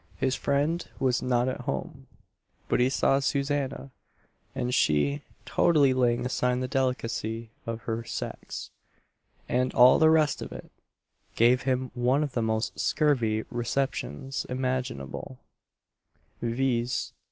His friend was not at home, but he saw Susanna, and she totally laying aside the delicacy of her sex, "and all the rest of it" gave him one of the most scurvy receptions imaginable; viz.